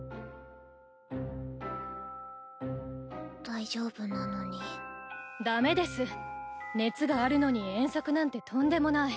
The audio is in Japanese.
大丈夫なのに熱があるのに遠足なんてとんでもない・